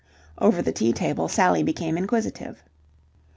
Over the tea table Sally became inquisitive.